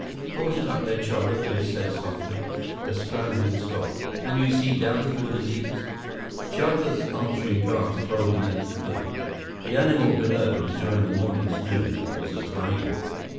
"Hold it up there, Chuba," Biff said softly. The scrambling stopped. "Can you see down through the leaves?" Chuba's answering gasp told him that he could. The animal below, enjoying a morning snooze, was a tiger.